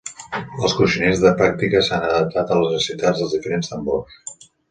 Els coixinets de pràctica s'han adaptat a les necessitats dels diferents tambors.